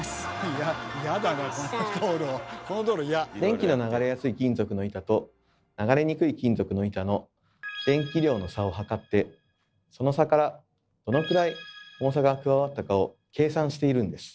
電気が流れやすい金属の板と流れにくい金属の板の電気量の差をはかってその差からどのくらい重さが加わったかを計算しているんです。